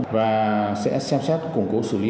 và sẽ xem xét củng cố xử lý